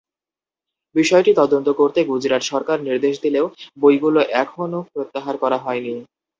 বিষয়টি তদন্ত করতে গুজরাট সরকার নির্দেশ দিলেও বইগুলো এখনো প্রত্যাহার করা হয়নি।